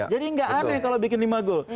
jadi tidak aneh kalau membuat lima gol